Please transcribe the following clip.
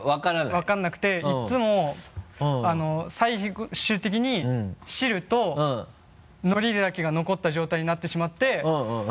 分からなくていつも最終的に汁と海苔だけが残った状態になってしまって。